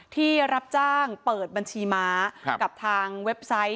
ที่รับจ้างเปิดบัญชีม้ากับทางเว็บไซต์